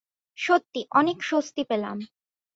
সত্যি অনেক স্বস্তি পেলাম।